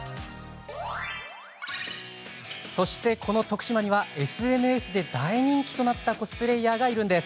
そしてこの徳島にはＳＮＳで大人気となったコスプレイヤーがいるんです。